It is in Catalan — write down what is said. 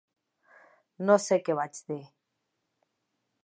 No sé què vaig dir.